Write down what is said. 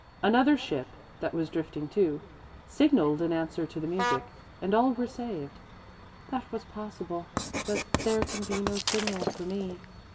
Another ship, that was drifting, too, signalled in answer to the music, and all were saved." "That was possible but there can be no signal for me."